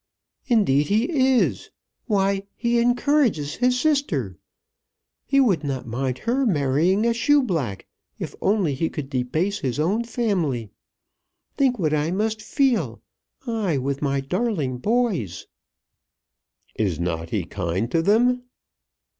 "Indeed he is. Why, he encourages his sister! He would not mind her marrying a shoeblack if only he could debase his own family. Think what I must feel, I, with my darling boys!" "Is not he kind to them?"